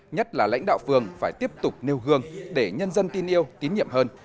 nhất là lãnh đạo phường phải tiếp tục nêu gương để nhân dân tin yêu tín nhiệm hơn